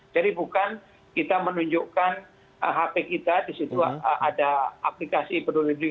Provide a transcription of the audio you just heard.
jadi bukan kita menunjukkan hp kita di situ ada aplikasi peduli lindungi